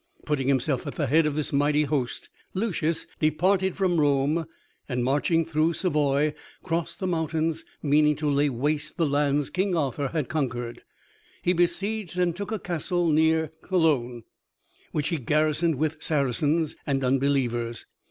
Putting himself at the head of this mighty host, Lucius departed from Rome, and marching through Savoy, crossed the mountains, meaning to lay waste the lands King Arthur had conquered. He besieged and took a castle near Cologne, which he garrisoned with Saracens and unbelievers.